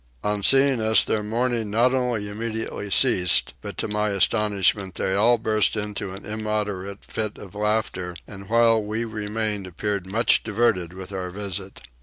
On seeing us their mourning not only immediately ceased, but to my astonishment they all burst into an immoderate fit of laughter, and while we remained appeared much diverted with our visit.